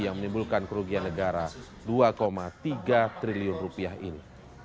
yang menimbulkan kerugian negara rp dua tiga triliun ini